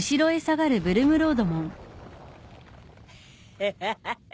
フハハハ。